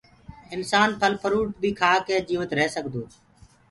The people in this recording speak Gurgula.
انسآن ڦل ڦروٽ بي کآڪي جيوت ريه سگدوئي